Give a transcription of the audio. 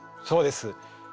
そうです。